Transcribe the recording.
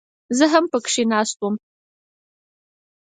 زه هم پکښې ناست وم.